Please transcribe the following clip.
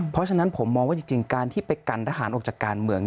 เพราะฉะนั้นผมมองว่าจริงการที่ไปกันทหารออกจากการเมือง